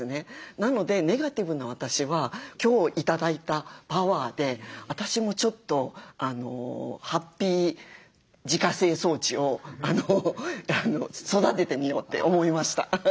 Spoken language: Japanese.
なのでネガティブな私は今日頂いたパワーで私もちょっとハッピー自家製装置を育ててみようって思いました。